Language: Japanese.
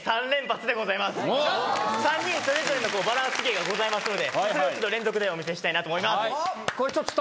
３人それぞれのバランス芸がございますのでそれをちょっと連続でお見せしたいなと思います。